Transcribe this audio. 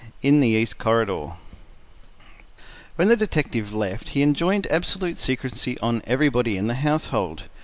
IN THE EAST CORRIDOR When the detective left he enjoined absolute secrecy on everybody in the household.